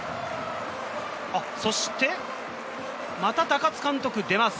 そして、また高津監督出ます。